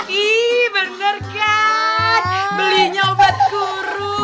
iiih bener kan belinya obat kurus